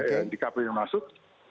yang di kpu yang masuk